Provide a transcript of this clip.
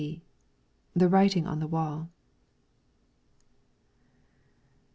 C. 'The writing on the wall.'